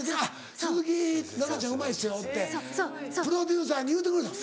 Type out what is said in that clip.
「鈴木奈々ちゃんがうまいですよ」ってプロデューサーに言うてくれたの？